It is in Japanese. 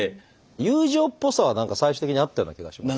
友情っぽさは何か最終的にあったような気がします。